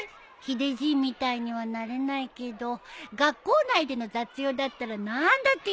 ヒデじいみたいにはなれないけど学校内での雑用だったら何だって言って！